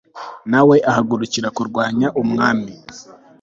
nawe ahagurukira kurwanya umwami